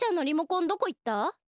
どこいった？